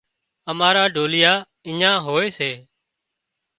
امارا ڍوليئا اڃين هوئي سي